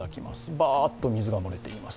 バーッと水が漏れています。